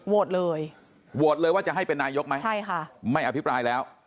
เลยโหวตเลยว่าจะให้เป็นนายกไหมใช่ค่ะไม่อภิปรายแล้ว